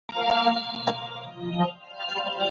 殿试登进士第二甲第八十四名。